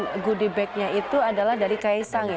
dan gunibeknya itu adalah dari kaesang ya